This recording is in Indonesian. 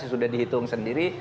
sudah dihitung sendiri